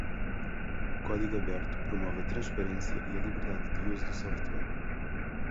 O código aberto promove a transparência e a liberdade de uso do software.